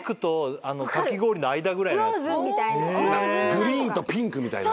グリーンとピンクみたいな。